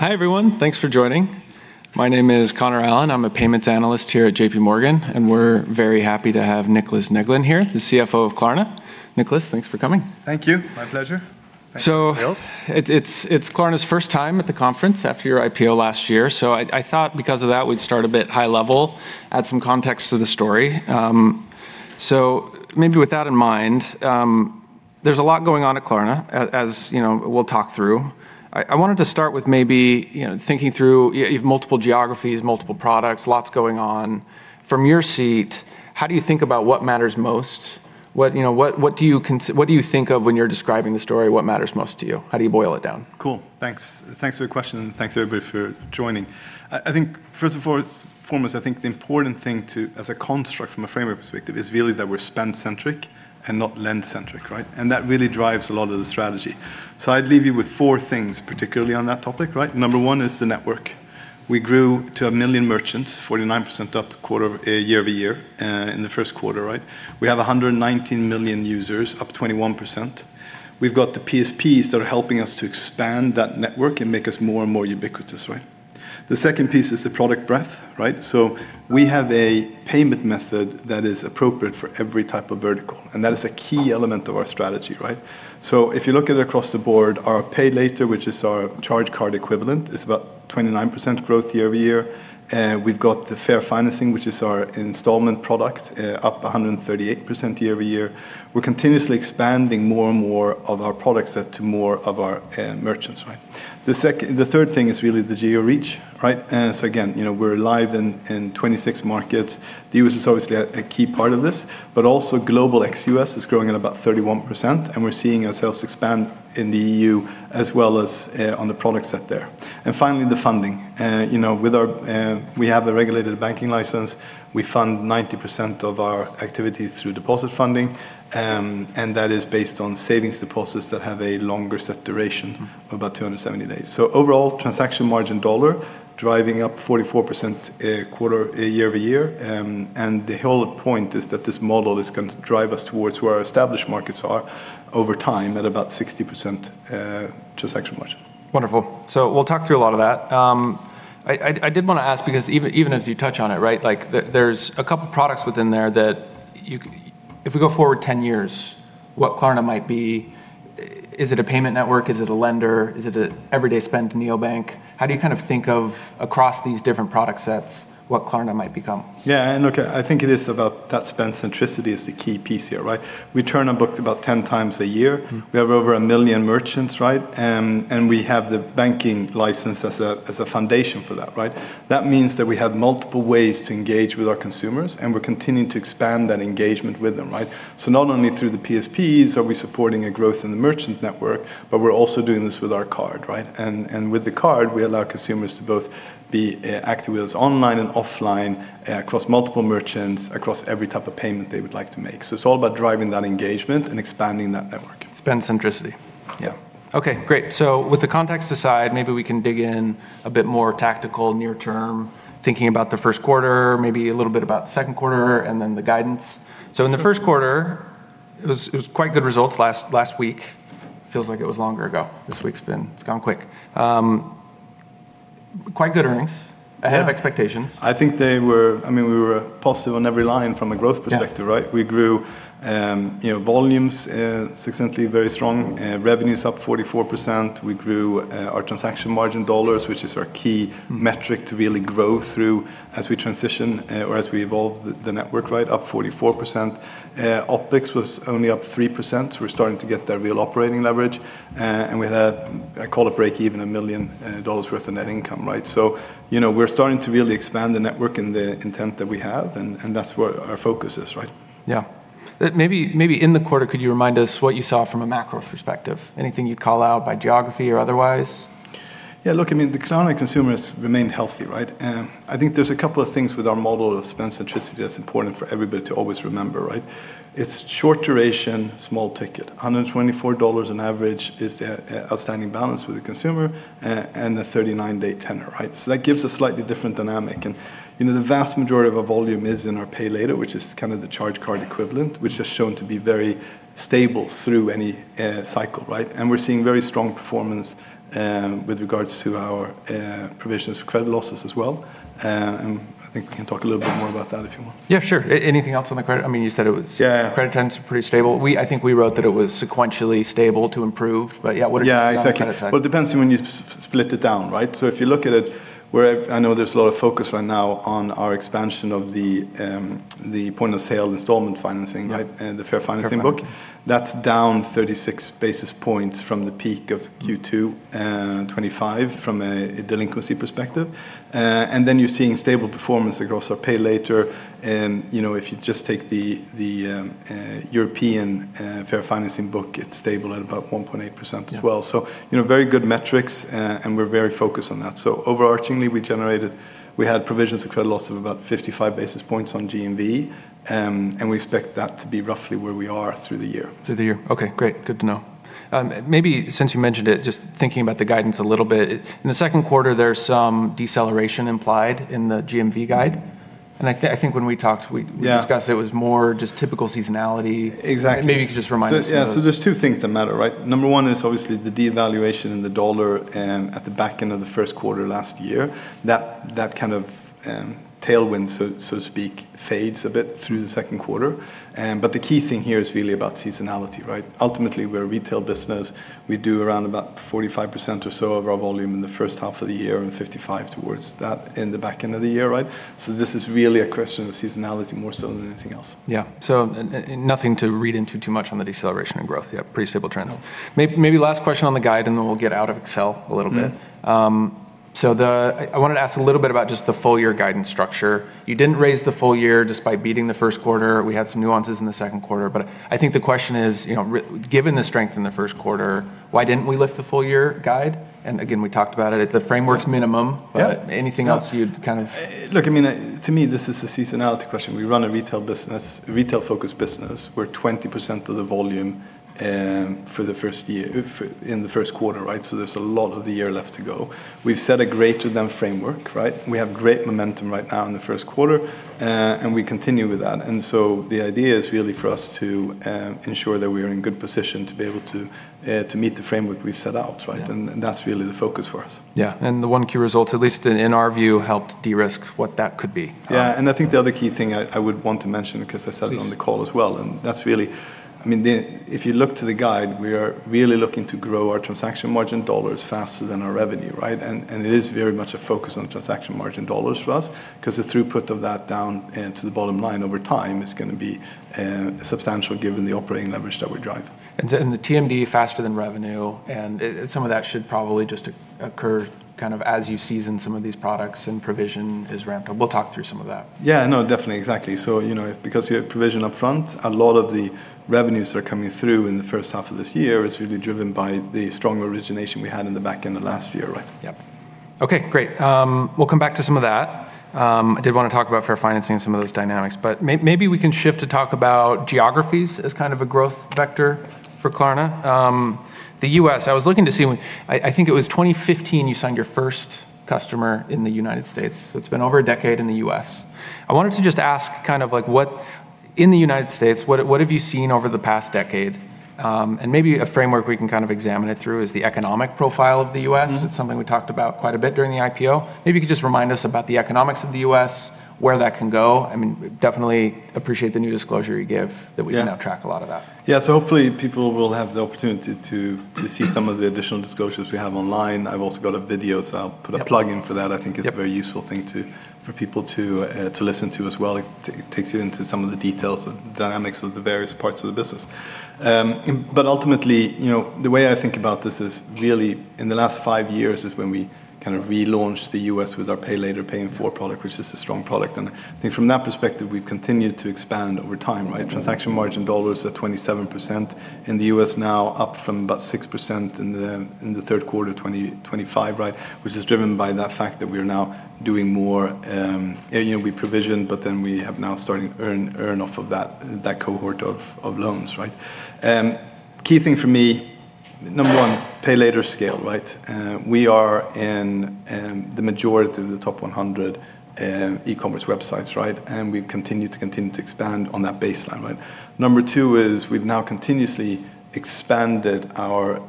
Hi, everyone. Thanks for joining. My name is Connor Allen. I'm a payments analyst here at JPMorgan, and we're very happy to have Niclas Neglén here, the CFO of Klarna. Niclas, thanks for coming. Thank you. My pleasure. Thanks for the intro. It's Klarna's first time at the conference after your IPO last year. I thought because of that, we'd start a bit high level, add some context to the story. Maybe with that in mind, there's a lot going on at Klarna as, you know, we'll talk through. I wanted to start with maybe, you know, thinking through, you've multiple geographies, multiple products, lots going on. From your seat, how do you think about what matters most? What, you know, what do you think of when you're describing the story? What matters most to you? How do you boil it down? Cool. Thanks. Thanks for the question, and thanks everybody for joining. I think first and foremost, I think the important thing to, as a construct from a framework perspective, is really that we're spend-centric and not lend-centric, right? That really drives a lot of the strategy. I'd leave you with four things, particularly on that topic, right? Number one is the network. We grew to 1 million merchants, 49% up year-over-year in the first quarter, right? We have 119 million users, up 21%. We've got the PSPs that are helping us to expand that network and make us more and more ubiquitous, right? The second piece is the product breadth, right? We have a payment method that is appropriate for every type of vertical, and that is a key element of our strategy, right? If you look at it across the board, our Pay Later, which is our charge card equivalent, is about 29% growth year-over-year. We've got the Fair Financing, which is our installment product, up 138% year-over-year. We're continuously expanding more and more of our product set to more of our merchants, right? The third thing is really the geo reach. Again, you know, we're live in 26 markets. The U.S. is obviously a key part of this, but also global ex-U.S. is growing at about 31%, and we're seeing ourselves expand in the E.U. as well as on the product set there. Finally, the funding. You know, with our, we have the regulated banking license. We fund 90% of our activities through deposit funding. That is based on savings deposits that have a longer set duration about 270 days. Overall, transaction margin dollars driving up 44% year-over-year. The whole point is that this model is going to drive us towards where our established markets are over time at about 60% transaction margin. Wonderful. We'll talk through a lot of that. I did wanna ask because even as you touch on it, right. Like, there's a couple products within there that you, if we go forward 10 years, what Klarna might be. Is it a payment network? Is it a lender? Is it a everyday spend neobank? How do you kind of think of across these different product sets what Klarna might become? Look, I think it is about that spend centricity is the key piece here, right? We turn on booked about 10 times a year. We have over 1 million merchants, right? We have the banking license as a foundation for that, right? That means that we have multiple ways to engage with our consumers, and we're continuing to expand that engagement with them, right? Not only through the PSPs are we supporting a growth in the merchant network, but we're also doing this with our Card, right? With the Card, we allow consumers to both be active with us online and offline across multiple merchants, across every type of payment they would like to make. It's all about driving that engagement and expanding that network. Spend centricity. Yeah. Okay, great. With the context aside, maybe we can dig in a bit more tactical near term, thinking about the first quarter, maybe a little bit about second quarter, and then the guidance. Sure. In the first quarter, it was quite good results last week. Feels like it was longer ago. This week's been, it's gone quick. Quite good earnings. Yeah. Ahead of expectations. I mean, we were positive on every line from a growth perspective. Yeah. Right? We grew, you know, volumes successfully very strong. Revenues up 44%. We grew our transaction margin dollars, which is our key metric to really grow through as we transition or as we evolve the network, right? Up 44%. OpEx was only up 3%. We're starting to get that real operating leverage. We had, I call it break even, $1 million worth of net income, right? You know, we're starting to really expand the network and the intent that we have, and that's where our focus is, right? Maybe in the quarter, could you remind us what you saw from a macro perspective? Anything you'd call out by geography or otherwise? Yeah, look, I mean, the Klarna consumer has remained healthy, right? I think there's a couple of things with our model of spend centricity that's important for everybody to always remember, right? It's short duration, small ticket. $124 on average is the outstanding balance with the consumer and a 39-day tenor, right? That gives a slightly different dynamic. You know, the vast majority of our volume is in our Pay Later, which is kind of the charge card equivalent, which has shown to be very stable through any cycle, right? We're seeing very strong performance with regards to our provisions for credit losses as well. I think we can talk a little bit more about that if you want. Yeah, sure. Anything else on the credit? I mean, you said it was. Yeah. Credit tenants are pretty stable. We, I think we wrote that it was sequentially stable to improved, but yeah, what are your thoughts on that effect? Yeah, exactly. Well, it depends on when you split it down, right? If you look at it where I know there's a lot of focus right now on our expansion of the point of sale installment financing, right? Yeah. The Fair Financing book. Fair Financing. That's down 36 basis points from the peak of Q2 2025 from a delinquency perspective. Then you're seeing stable performance across our Pay Later. You know, if you just take the European Fair Financing book, it's stable at about 1.8% as well. Yeah. You know, very good metrics, and we're very focused on that. Overarchingly, we had provisions for credit loss of about 55 basis points on GMV, and we expect that to be roughly where we are through the year. Through the year. Okay, great. Good to know. Maybe since you mentioned it, just thinking about the guidance a little bit. In the second quarter, there's some deceleration implied in the GMV guide. Yeah. We discussed it was more just typical seasonality. Exactly. Maybe you could just remind us of those. Yeah, there's two things that matter, right? Number one is obviously the devaluation in the dollar, at the back end of the first quarter last year. That kind of tailwind, so to speak, fades a bit through the second quarter. The key thing here is really about seasonality, right? Ultimately, we're a retail business. We do around about 45% or so of our volume in the first half of the year and 55% towards that in the back end of the year, right? This is really a question of seasonality more so than anything else. Nothing to read into too much on the deceleration in growth. Pretty stable trends. No. Maybe last question on the guide, and then we'll get out of Excel a little bit. I wanted to ask a little bit about just the full year guidance structure. You didn't raise the full year despite beating the first quarter. We had some nuances in the second quarter. I think the question is, you know, given the strength in the first quarter, why didn't we lift the full year guide? Again, we talked about it. The framework's minimum. Yeah. Anything else you'd kind of. Look, I mean, to me, this is a seasonality question. We run a retail business, a retail-focused business. We're 20% of the volume in the first quarter, right? There's a lot of the year left to go. We've set a greater than framework, right? We have great momentum right now in the first quarter. We continue with that. The idea is really for us to ensure that we are in good position to be able to meet the framework we've set out, right? Yeah. That's really the focus for us. Yeah. The 1Q results, at least in our view, helped de-risk what that could be. Yeah, I think the other key thing I would want to mention, because I said it. Please. On the call as well. That's really, I mean, if you look to the guide, we are really looking to grow our transaction margin dollars faster than our revenue, right? It is very much a focus on transaction margin dollars for us, 'cause the throughput of that down to the bottom line over time is gonna be substantial given the operating leverage that we drive. The TMD faster than revenue, and some of that should probably just occur kind of as you season some of these products and provision is ramped up. We'll talk through some of that. Yeah, no, definitely. Exactly. You know, if, because you have provision up front, a lot of the revenues that are coming through in the first half of this year is really driven by the strong origination we had in the back end of last year, right? Yep. Okay, great. We'll come back to some of that. I did wanna talk about Fair Financing and some of those dynamics. Maybe we can shift to talk about geographies as kind of a growth vector for Klarna. The U.S., I was looking to see when, I think it was 2015 you signed your first customer in the United States. So it's been over a decade in the U.S. I wanted to just ask kind of like, what, in the United States, what have you seen over the past decade? Maybe a framework we can kind of examine it through is the economic profile of the U.S. It's something we talked about quite a bit during the IPO. Maybe you could just remind us about the economics of the U.S., where that can go. I mean, definitely appreciate the new disclosure you give. Yeah. That we can now track a lot of that. Hopefully people will have the opportunity to see some of the additional disclosures we have online. I've also got a video, so I'll put a plug in for that. Yep. I think it's a very useful thing to, for people to listen to as well. It takes you into some of the details of the dynamics of the various parts of the business. Ultimately, you know, the way I think about this is really in the last five years is when we kind of relaunched the U.S. with our Pay Later, Pay in full product, which is a strong product. I think from that perspective, we've continued to expand over time, right? Transaction margin dollars are 27% in the U.S. now, up from about 6% in the third quarter 2025, right? Which is driven by that fact that we are now doing more, you know, we provision, we have now starting to earn off of that cohort of loans, right? Key thing for me, number one, Pay Later scale, right? We are in the majority of the top 100 e-commerce websites, right? We've continued to expand on that baseline, right? Number two is we've now continuously expanded our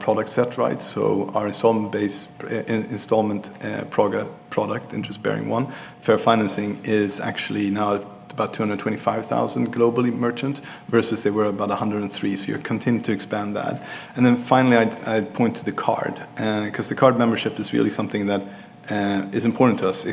product set, right? Our installment-based product, interest-bearing one, Fair Financing, is actually now about 225,000 globally merchant, versus they were about 103. You're continuing to expand that. Finally, I'd point to the Card, 'cause the card membership is really something that is important to us.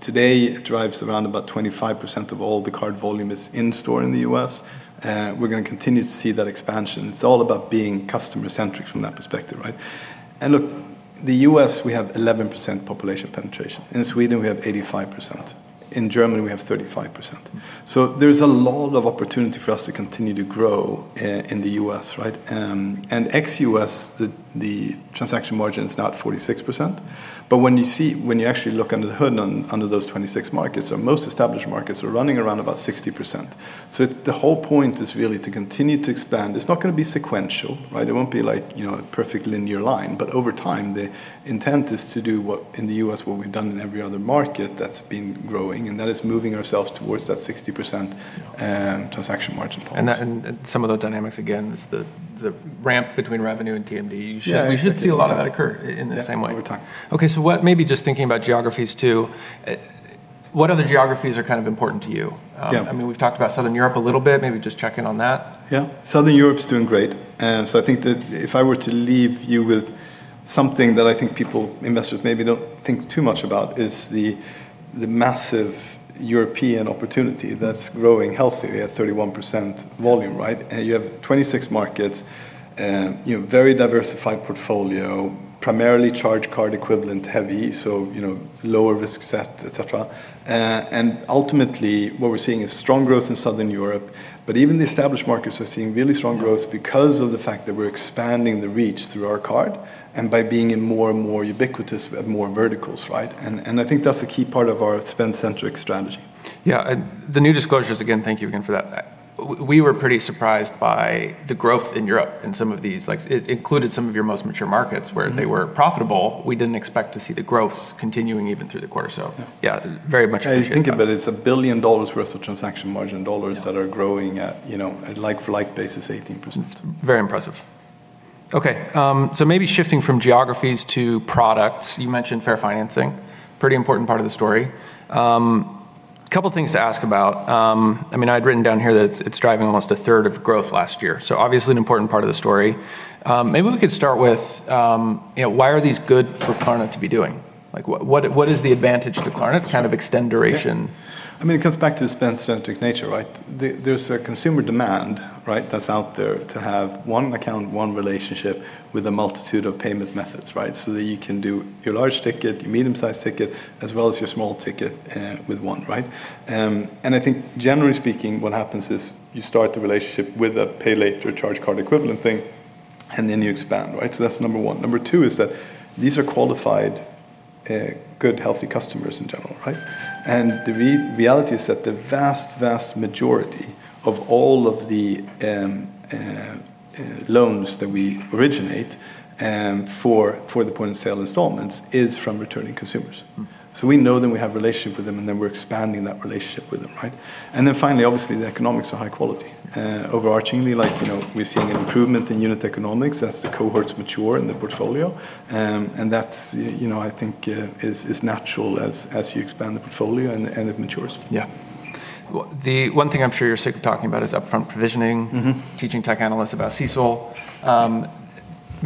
Today, it drives around about 25% of all the card volume is in store in the U.S. We're gonna continue to see that expansion. It's all about being customer-centric from that perspective, right? Look, the U.S., we have 11% population penetration. In Sweden, we have 85%. In Germany, we have 35%. There's a lot of opportunity for us to continue to grow, in the U.S., right? And ex-U.S., the transaction margin is now at 46%. When you see, when you actually look under the hood under those 26 markets, most established markets are running around about 60%. The whole point is really to continue to expand. It's not gonna be sequential, right? It won't be like, you know, a perfect linear line. Over time, the intent is to do what, in the U.S., what we've done in every other market that's been growing, and that is moving ourselves towards that 60%, transaction margin point. That, and some of the dynamics, again, is the ramp between revenue and TMD. Yeah. We should see a lot of that occur in the same way. Yeah, over time. Okay. What, maybe just thinking about geographies too, what other geographies are kind of important to you? Yeah. I mean, we've talked about Southern Europe a little bit. Maybe just check in on that. Yeah. Southern Europe's doing great. I think that if I were to leave you with something that I think people, investors maybe don't think too much about, is the massive European opportunity that's growing healthy. We have 31% volume, right? You have 26 markets, you know, very diversified portfolio, primarily charge card equivalent heavy, you know, lower risk set, et cetera. Ultimately, what we're seeing is strong growth in Southern Europe, even the established markets are seeing really strong growth because of the fact that we're expanding the reach through our card and by being in more and more ubiquitous, we have more verticals, right? I think that's a key part of our spend-centric strategy. Yeah. The new disclosures, again, thank you again for that. We were pretty surprised by the growth in Europe in some of these. Like, it included some of your most mature markets where they were profitable. We didn't expect to see the growth continuing even through the quarter. Yeah. Yeah, very much appreciate that. I think of it as a billion worth of transaction margin dollars that are growing at, you know, at like basis 18%. It's very impressive. Okay, maybe shifting from geographies to products. You mentioned Fair Financing. Pretty important part of the story. Couple things to ask about. I mean, I'd written down here that it's driving almost a third of growth last year, so obviously an important part of the story. Maybe we could start with, you know, why are these good for Klarna to be doing? Like, what is the advantage to Klarna? Kind of extend duration. Yeah. I mean, it comes back to the spend-centric nature, right? There's a consumer demand, right, that's out there to have one account, one relationship with a multitude of payment methods, right? That you can do your large ticket, your medium-sized ticket, as well as your small ticket with one, right? I think generally speaking, what happens is you start the relationship with a Pay Later charge card equivalent thing, and then you expand, right? That's number one. Number two is that these are qualified, good, healthy customers in general, right? The reality is that the vast majority of all of the loans that we originate for the point-of-sale installments is from returning consumers. We know them, we have a relationship with them, and then we're expanding that relationship with them, right? Finally, obviously, the economics are high quality. Overarchingly, like, you know, we’re seeing an improvement in unit economics as the cohorts mature in the portfolio. And that’s, you know, I think, is natural as you expand the portfolio and it matures. Yeah. The one thing I'm sure you're sick of talking about is upfront provisioning. Teaching tech analysts about CECL.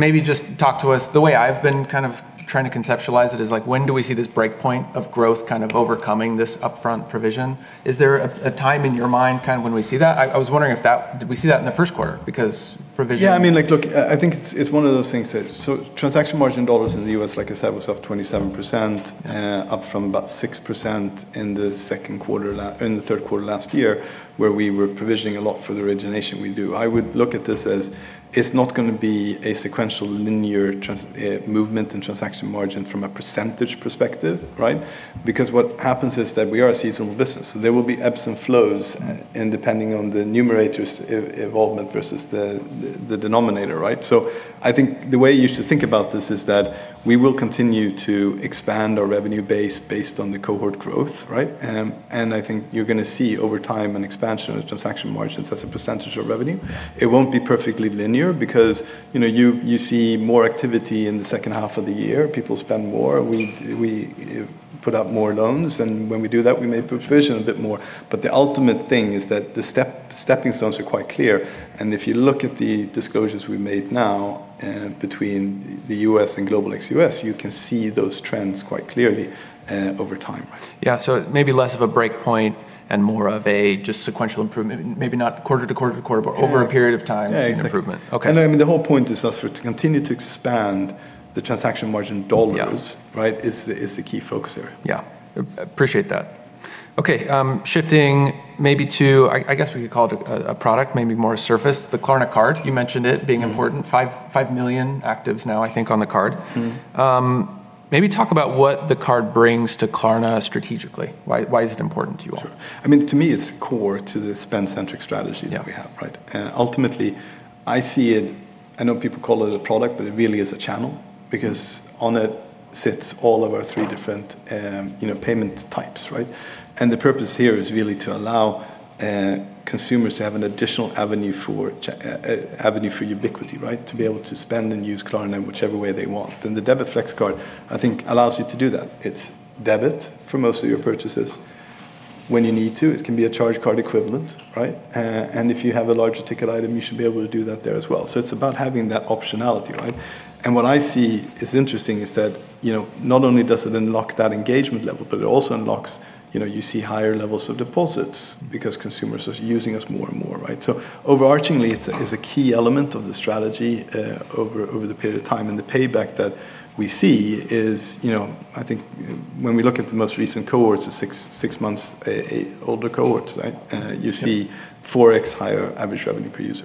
Maybe just talk to us, the way I've been kind of trying to conceptualize it is like when do we see this break point of growth kind of overcoming this upfront provision? Is there a time in your mind kind of when we see that? Did we see that in the first quarter? Because provision. I mean, like, I think it's one of those things that transaction margin dollars in the U.S., like I said, was up 27%, up from about 6% in the third quarter last year, where we were provisioning a lot for the origination we do. I would look at this as it's not going to be a sequential linear movement in transaction margin from a percentage perspective, right? What happens is that we are a seasonal business, there will be ebbs and flows, in depending on the numerator's involvement versus the denominator, right? I think the way you should think about this is that we will continue to expand our revenue base based on the cohort growth, right? I think you're gonna see over time an expansion of transaction margins as a percentage of revenue. It won't be perfectly linear because, you know, you see more activity in the second half of the year. People spend more. We put out more loans, and when we do that, we may provision a bit more. The ultimate thing is that the stepping stones are quite clear. If you look at the disclosures we made now, between the U.S. and global ex-U.S., you can see those trends quite clearly over time. Yeah, maybe less of a break point and more of a just sequential improvement. Maybe not quarter to quarter over a period of time. Yeah, exactly. Seeing improvement. Okay. I mean, the whole point is just for to continue to expand the transaction margin dollars. Yeah. Right? Is the key focus area. Yeah. Appreciate that. Okay, shifting maybe to, I guess we could call it a product, maybe more a service, the Klarna Card. You mentioned it being important. 5 million actives now, I think, on the Card. Maybe talk about what the card brings to Klarna strategically. Why, why is it important to you all? Sure. I mean, to me, it's core to the spend-centric strategy. Yeah. That we have, right? Ultimately, I see it, I know people call it a product, but it really is a channel because on it sits all of our three different, you know, payment types, right? The purpose here is really to allow consumers to have an additional avenue for ubiquity, right? To be able to spend and use Klarna in whichever way they want. The Debit Flex card, I think allows you to do that. It's debit for most of your purchases. When you need to, it can be a charge card equivalent, right? If you have a larger ticket item, you should be able to do that there as well. It's about having that optionality, right? What I see is interesting is that, you know, not only does it unlock that engagement level, but it also unlocks, you know, you see higher levels of deposits because consumers are using us more and more, right? Overarchingly, it's a key element of the strategy, over the period of time. The payback that we see is, you know, I think when we look at the most recent cohorts, the six months, eight, older cohorts, right. Yeah. 4x higher average revenue per user.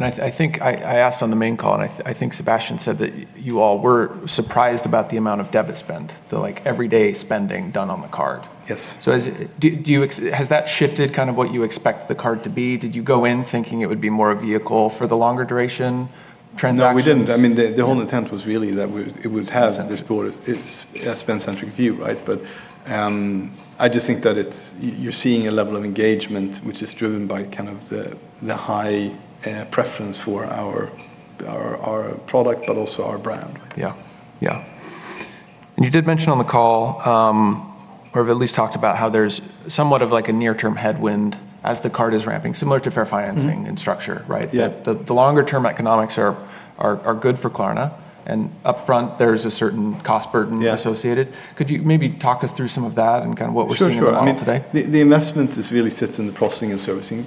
Yep. I think I asked on the main call, and I think Sebastian said that you all were surprised about the amount of debit spend, the, like, everyday spending done on the card. Yes. Has that shifted kind of what you expect the card to be? Did you go in thinking it would be more a vehicle for the longer duration transactions? No, we didn't. I mean, the whole intent was really that it would have this broader, it's a spend-centric view, right? I just think that you're seeing a level of engagement which is driven by kind of the high preference for our product, but also our brand. Yeah. Yeah. You did mention on the call, or at least talked about how there's somewhat of, like, a near-term headwind as the Card is ramping, similar to Fair Financing structure, right? Yeah. The longer term economics are good for Klarna, and up front there's a certain cost burden associated. Could you maybe talk us through some of that and kind of what we're seeing? Sure. Sure. In the model today? I mean, the investment is really sits in the processing and servicing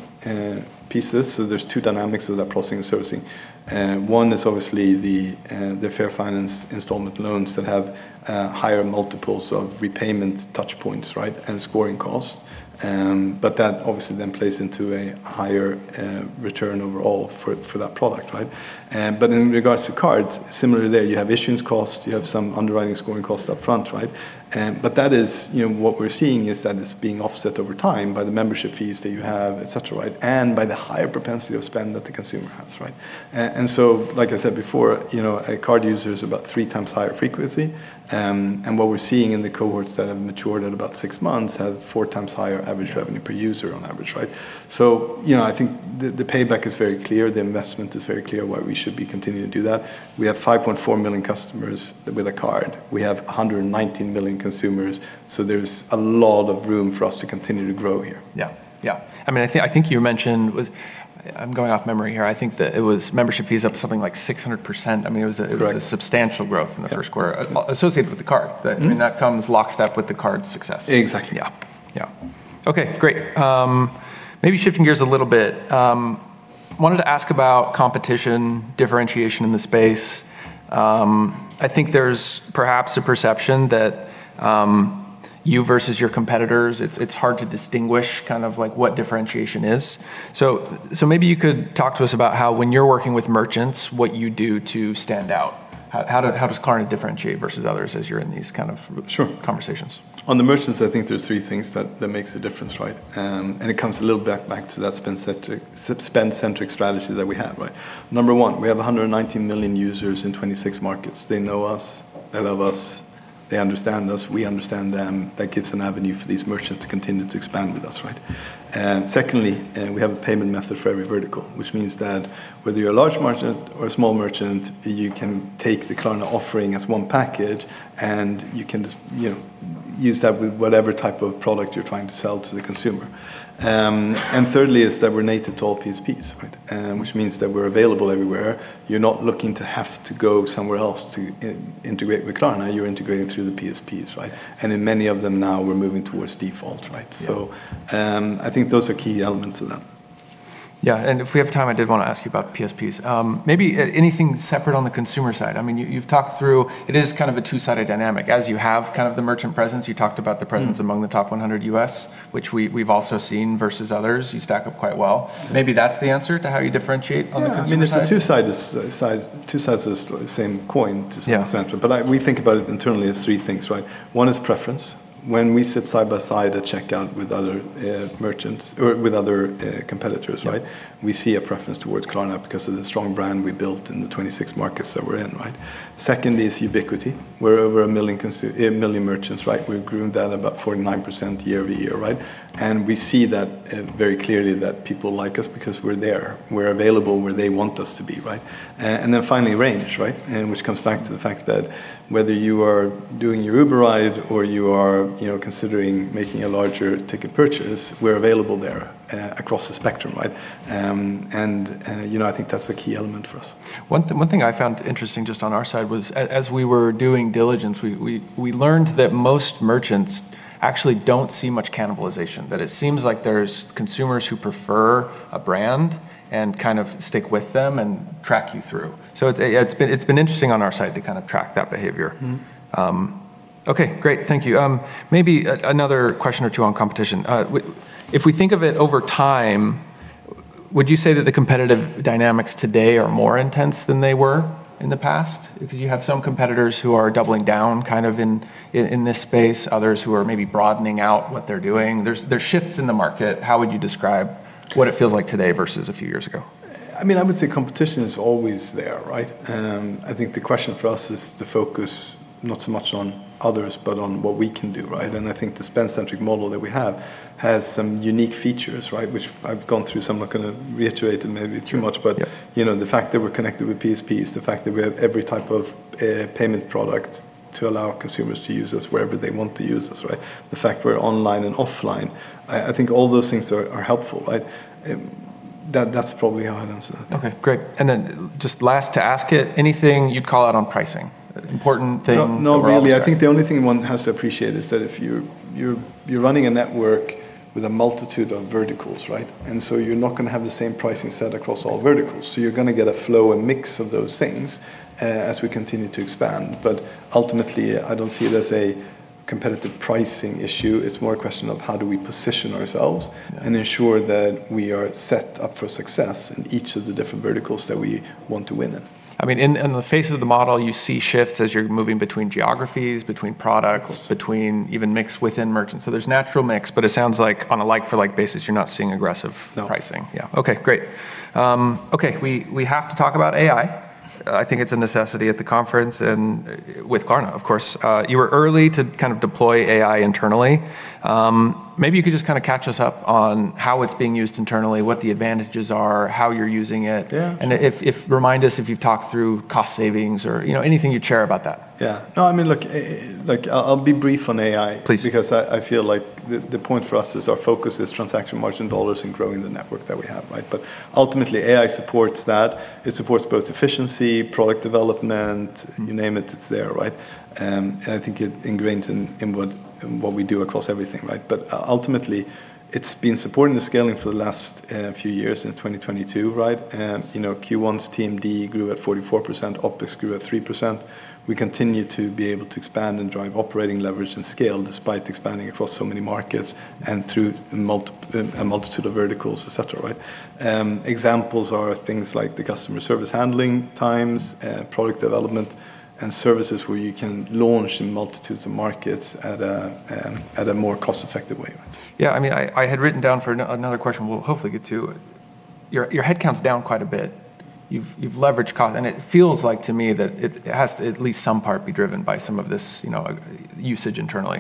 pieces. There's two dynamics of that processing and servicing. One is obviously the Fair Financing installment loans that have higher multiples of repayment touchpoints, right, and scoring costs. That obviously then plays into a higher return overall for that product, right? In regards to cards, similarly there you have issuance cost, you have some underwriting scoring cost up front, right? That is, you know, what we're seeing is that it's being offset over time by the membership fees that you have, et cetera, right? By the higher propensity of spend that the consumer has, right? Like I said before, you know, a card user is about three times higher frequency. What we're seeing in the cohorts that have matured at about six months have 4x higher average revenue per user on average, right? You know, I think the payback is very clear, the investment is very clear why we should be continuing to do that. We have 5.4 million customers with a card. We have 119 million consumers, there's a lot of room for us to continue to grow here. Yeah. Yeah. I mean, I think you mentioned was, I'm going off memory here, I think that it was membership fees up something like 600%. I mean, it was. Right. It was a substantial growth in the first quarter associated with the card. I mean, that comes lockstep with the card success. Exactly. Yeah. Yeah. Okay, great. Maybe shifting gears a little bit, wanted to ask about competition differentiation in the space. I think there's perhaps a perception that you versus your competitors, it's hard to distinguish kind of like what differentiation is. Maybe you could talk to us about how when you're working with merchants, what you do to stand out. How does Klarna differentiate versus others- Sure. conversations? On the merchants, I think there's three things that makes a difference, right? It comes a little back to that spend-centric strategy that we have, right? Number one, we have 119 million users in 26 markets. They know us, they love us, they understand us, we understand them. That gives an avenue for these merchants to continue to expand with us, right? Secondly, we have a payment method for every vertical, which means that whether you're a large merchant or a small merchant, you can take the Klarna offering as one package, and you can just, you know, use that with whatever type of product you're trying to sell to the consumer. Thirdly is that we're native to all PSPs, right? Which means that we're available everywhere. You're not looking to have to go somewhere else to integrate with Klarna, you're integrating through the PSPs, right? In many of them now we're moving towards default, right? I think those are key elements of that. Yeah. If we have time, I did want to ask you about PSPs. Maybe anything separate on the consumer side. I mean, you've talked through, it is kind of a two-sided dynamic as you have kind of the merchant presence. You talked about the presence among the top 100 U.S., which we've also seen versus others, you stack up quite well. Maybe that's the answer to how you differentiate on the consumer side. Yeah. I mean, two sides of the same coin to some extent. Yeah. I, we think about it internally as three things, right? One is preference. When we sit side by side at checkout with other merchants or with other competitors, right? We see a preference towards Klarna because of the strong brand we built in the 26 markets that we're in, right? Secondly is ubiquity. We're over 1 million merchants, right? We've grown that about 49% year-over-year, right? We see that very clearly that people like us because we're there, we're available where they want us to be, right? Then finally, range, right? Which comes back to the fact that whether you are doing your Uber ride or you are, you know, considering making a larger ticket purchase, we're available there across the spectrum, right? You know, I think that's a key element for us. One thing I found interesting just on our side was as we were doing diligence, we learned that most merchants actually don't see much cannibalization. It seems like there's consumers who prefer a brand and kind of stick with them and track you through. It's been interesting on our side to kind of track that behavior. Hmmm. Okay, great. Thank you. Maybe another question or two on competition. If we think of it over time, would you say that the competitive dynamics today are more intense than they were in the past? You have some competitors who are doubling down kind of in this space, others who are maybe broadening out what they're doing. There's shifts in the market. How would you describe what it feels like today versus a few years ago? I mean, I would say competition is always there, right? I think the question for us is to focus not so much on others, but on what we can do, right? I think the spend-centric model that we have has some unique features, right? Which I've gone through, so I'm not gonna reiterate them maybe too much. Yeah. You know, the fact that we're connected with PSPs, the fact that we have every type of payment product to allow consumers to use us wherever they want to use us, right? The fact we're online and offline, I think all those things are helpful, right? That's probably how I'd answer that. Okay, great. Just last to ask it, anything you'd call out on pricing? No, no, really. Overall there. I think the only thing one has to appreciate is that if you're running a network with a multitude of verticals, right? You're not gonna have the same pricing set across all verticals, so you're gonna get a flow and mix of those things as we continue to expand. Ultimately, I don't see it as a competitive pricing issue. It's more a question of how do we position ourselves. Yeah. Ensure that we are set up for success in each of the different verticals that we want to win in. I mean, in the face of the model, you see shifts as you're moving between geographies, between products. Yes. Between even mix within merchants. There's natural mix, but it sounds like on a like for like basis, you're not seeing. No. Aggressive pricing. Yeah. Great. We have to talk about AI. I think it's a necessity at the conference and with Klarna, of course. You were early to kind of deploy AI internally. Maybe you could just kinda catch us up on how it's being used internally, what the advantages are, how you're using it. Yeah. Remind us if you've talked through cost savings or, you know, anything you'd share about that? Yeah. No, I mean, look, like I'll be brief on AI. Please. Because I feel like the point for us is our focus is transaction margin dollars and growing the network that we have. Ultimately, AI supports that. It supports both efficiency, product development. You name it's there. I think it ingrains in what we do across everything. Ultimately, it's been supporting the scaling for the last few years since 2022. You know, Q1's TMD grew at 44%, OpEx grew at 3%. We continue to be able to expand and drive operating leverage and scale despite expanding across so many markets and through a multitude of verticals, et cetera. Examples are things like the customer service handling times, product development, and services where you can launch in multitudes of markets at a more cost-effective way. I mean, I had written down for another question we'll hopefully get to. Your headcount's down quite a bit. You've leveraged, and it feels like to me that it has at least some part be driven by some of this, you know, usage internally.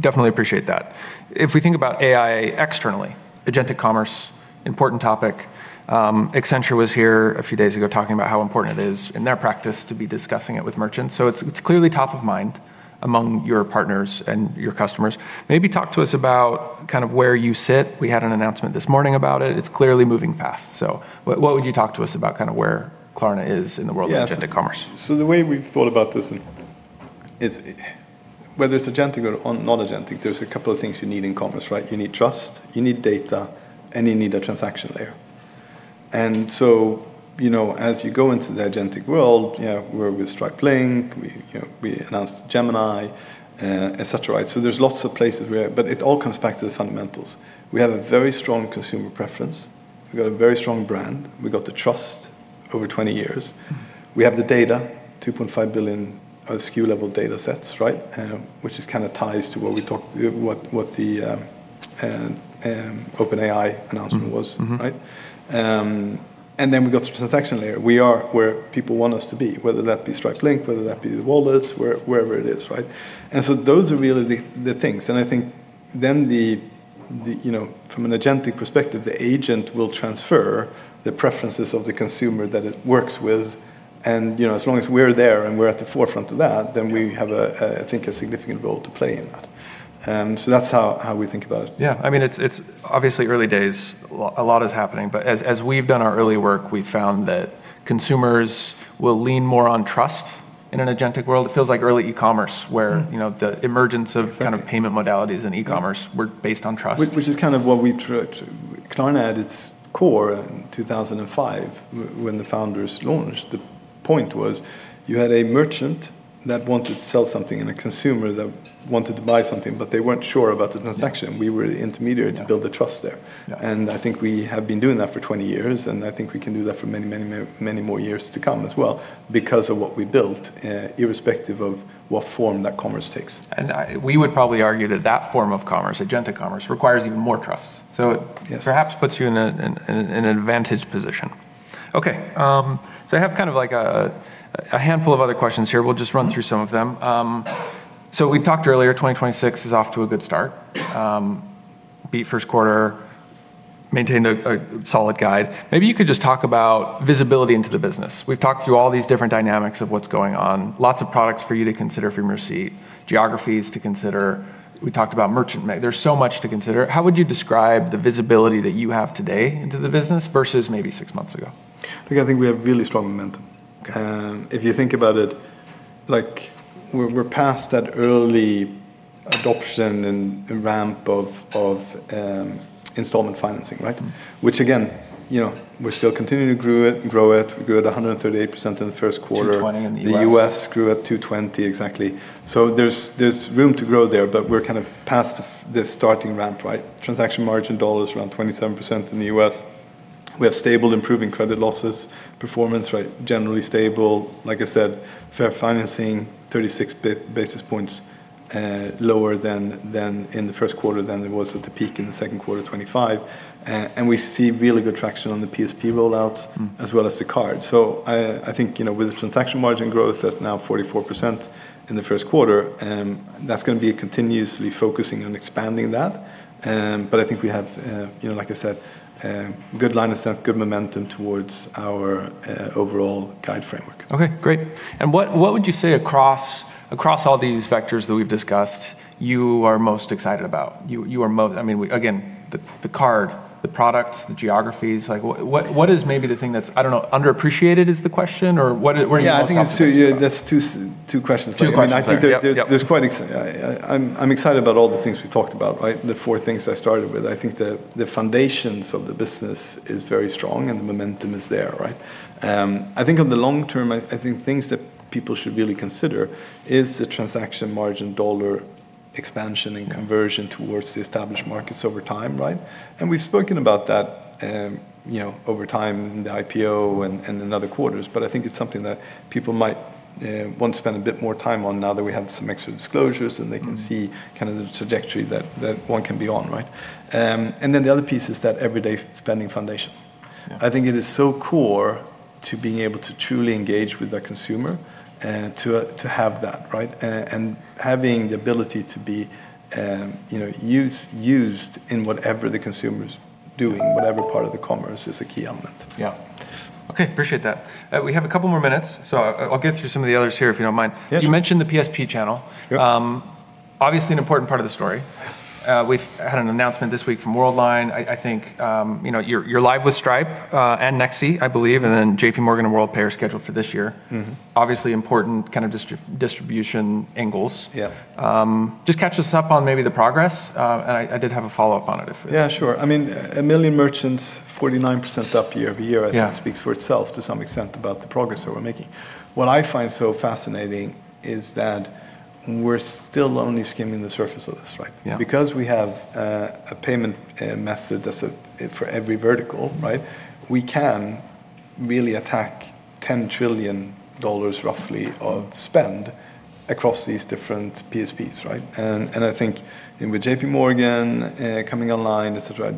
Definitely appreciate that. If we think about AI externally, agentic commerce, important topic. Accenture was here a few days ago talking about how important it is in their practice to be discussing it with merchants. It's clearly top of mind among your partners and your customers. Maybe talk to us about kind of where you sit. We had an announcement this morning about it. It's clearly moving fast. What would you talk to us about kinda where Klarna is in the world of agentic commerce? Yes. The way we've thought about this, it's, whether it's agentic or non-agentic, there's two things you need in commerce, right. You need trust, you need data, and you need a transaction layer. You know, as you go into the agentic world, you know, where we Stripe Link, we announced Gemini, et cetera, right. There's lots of places where it all comes back to the fundamentals. We have a very strong consumer preference. We've got a very strong brand. We got the trust over 20 years. We have the data, 2.5 billion SKU-level datasets, right. Which is kind of ties to what we talked, what the OpenAI announcement was right? Then we've got the transaction layer. We are where people want us to be, whether that be Stripe Link, whether that be the wallets, wherever it is, right? Those are really the things, and I think then the, you know, from an agentic perspective, the agent will transfer the preferences of the consumer that it works with. You know, as long as we're there and we're at the forefront of that then we have a, I think a significant role to play in that. That's how we think about it. Yeah. I mean, it's obviously early days. A lot is happening. As we've done our early work, we've found that consumers will lean more on trust in an agentic world. It feels like early e-commerce where you know, the emergence of standard payment modalities in e-commerce were based on trust. Which is kind of what we try to Klarna at its core in 2005 when the founders launched, the point was you had a merchant that wanted to sell something and a consumer that wanted to buy something, but they weren't sure about the transaction. We were the intermediary to build the trust there. Yeah. I think we have been doing that for 20 years, and I think we can do that for many more years to come as well because of what we built, irrespective of what form that commerce takes. We would probably argue that that form of commerce, agentic commerce, requires even more trust. Yes. Perhaps puts you in a, in an advantaged position. Okay. I have kind of like a handful of other questions here. We'll just run through some of them. We talked earlier, 2026 is off to a good start. Beat 1st quarter, maintained a solid guide. Maybe you could just talk about visibility into the business. We've talked through all these different dynamics of what's going on. Lots of products for you to consider from receipt, geographies to consider. We talked about merchant. There's so much to consider. How would you describe the visibility that you have today into the business versus maybe six months ago? Look, I think we have really strong momentum. Okay. If you think about it, like we're past that early adoption and ramp of installment financing, right? Again, you know, we're still continuing to grow it. We grew at 138% in the first quarter. 220% in the U.S.. The U.S. grew at 220%. Exactly. There's room to grow there, but we're kind of past the starting ramp, right? Transaction margin dollars is around 27% in the U.S. We have stable, improving credit losses, performance, right, generally stable. Like I said, Fair Financing, 36 basis points lower than in the first quarter than it was at the peak in the second quarter 2025. We see really good traction on the PSP rollouts as well as the card. I think, you know, with the transaction margin growth at now 44% in the first quarter, that's gonna be continuously focusing on expanding that. I think we have, you know, like I said, good line of stuff, good momentum towards our overall guide framework. Okay. Great. What would you say across all these vectors that we've discussed you are most excited about? You are I mean, the card, the products, the geographies. Like what is maybe the thing that's, I don't know, underappreciated is the question, or what are you most optimistic about? Yeah, I think it's two, yeah, that's two questions. Two questions. Yeah. I mean, I'm excited about all the things we've talked about, right? The four things I started with. I think the foundations of the business is very strong and the momentum is there, right? I think on the long term, I think things that people should really consider is the transaction margin dollar expansion and conversion towards the established markets over time, right? We've spoken about that, you know, over time in the IPO and in other quarters. I think it's something that people might want to spend a bit more time on now that we have some extra disclosures. So they can see kind of the trajectory that one can be on, right? The other piece is that everyday spending foundation. I think it is so core to being able to truly engage with the consumer and to have that, right? Having the ability to be, you know, used in whatever the consumer's doing, whatever part of the commerce, is a key element. Yeah. Okay, appreciate that. We have a couple more minutes, so I'll get through some of the others here if you don't mind. Yes. You mentioned the PSP channel. Yeah. Obviously an important part of the story. We've had an announcement this week from Worldline. I think, you know, you're live with Stripe and Nexi, I believe, and then JPMorgan and Worldpay are scheduled for this year. Obviously important kind of distribution angles. Yeah. Just catch us up on maybe the progress. I did have a follow-up on it. Yeah, sure. I mean, a million merchants, 49% up year-over-year. Yeah. I think speaks for itself to some extent about the progress that we're making. What I find so fascinating is that we're still only skimming the surface of this, right? Yeah. Because we have a payment method that's for every vertical, right? We can really attack $10 trillion roughly of spend across these different PSPs, right? I think with JPMorgan coming online, et cetera,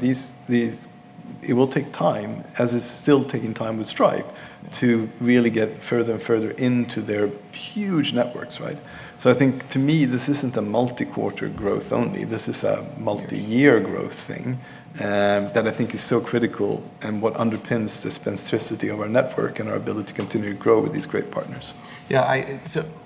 it will take time, as it's still taking time with Stripe, to really get further and further into their huge networks, right? I think to me, this isn't a multi-quarter growth only, this is a multi-year growth thing that I think is so critical and what underpins the specificity of our network and our ability to continue to grow with these great partners. Yeah, I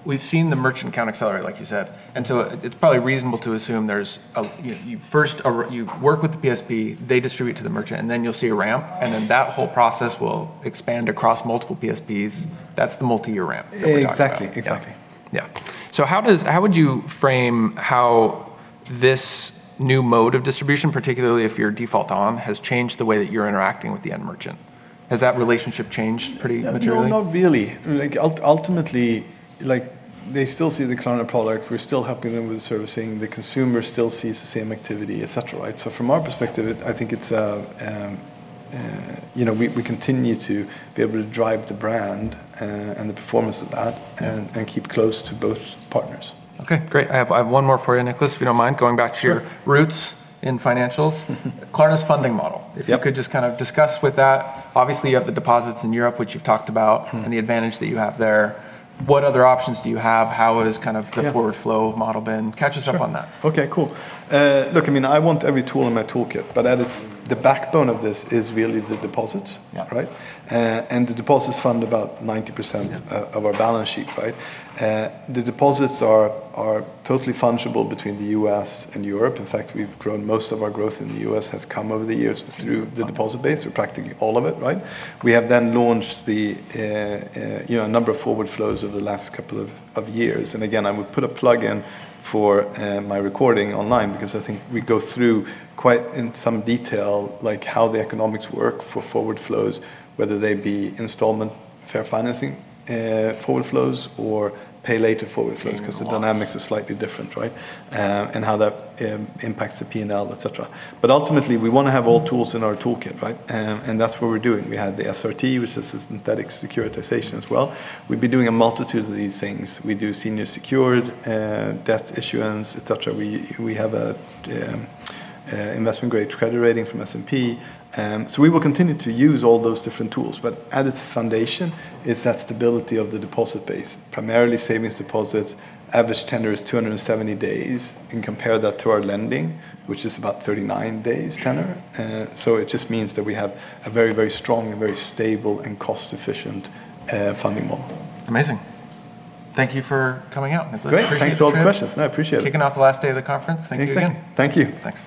we've seen the merchant count accelerate, like you said. It's probably reasonable to assume there's a, you know, you first, you work with the PSP, they distribute to the merchant, and then you'll see a ramp, and then that whole process will expand across multiple PSPs. That's the multi-year ramp that we're talking about. Exactly. Exactly. Yeah. Yeah. How would you frame how this new mode of distribution, particularly if you're default on, has changed the way that you're interacting with the end merchant? Has that relationship changed pretty materially? No, not really. Like, ultimately, like, they still see the Klarna product, we're still helping them with servicing, the consumer still sees the same activity, et cetera, right? From our perspective, I think it's, you know, we continue to be able to drive the brand and the performance of that and keep close to both partners. Okay, great. I have one more for you, Niclas, if you don't mind. Sure. Going back to your roots in financials. Klarna's funding model. Yep. If you could just kind of discuss with that. Obviously, you have the deposits in Europe, which you've talked about. The advantage that you have there. What other options do you have? Yeah. How its forward flow model been? Catch us up on that. Sure. Okay, cool. Look, I mean, I want every tool in my toolkit, the backbone of this is really the deposits. Yeah. Right? The deposits fund about 90% of our balance sheet, right? The deposits are totally fungible between the U.S. and Europe. In fact, we've grown most of our growth in the U.S. has come over the years through the deposit base, through practically all of it, right? We have then launched the, you know, number of forward flows over the last couple of years. Again, I would put a plug in for my recording online because I think we go through quite in some detail like how the economics work for forward flows, whether they be installment Fair Financing forward flows, or Pay Later forward flows. The dynamics are slightly different, right? And how that impacts the P&L, et cetera. Ultimately, we wanna have all tools in our toolkit, right? That's what we're doing. We have the SRT, which is a synthetic securitization as well. We've been doing a multitude of these things. We do senior secured debt issuance, et cetera. We have an investment-grade credit rating from S&P. So we will continue to use all those different tools. At its foundation is that stability of the deposit base, primarily savings deposits. Average tenor is 270 days, and compare that to our lending, which is about 39 days tenor. So it just means that we have a very, very strong and very stable and cost-efficient funding model. Amazing. Thank you for coming out, Niclas. Great. Thanks for all the questions. Appreciate the chat. Kicking off the last day of the conference. Thanks again. Thank you. Thanks.